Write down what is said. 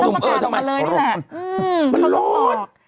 ก็ต้องมากลับมาเลยนี่แหละอืมมันร้อน